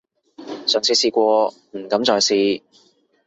上次試過，唔敢再試